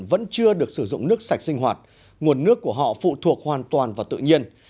vẫn chưa được sử dụng nước sạch sinh hoạt nguồn nước của họ phụ thuộc hoàn toàn vào tự nhiên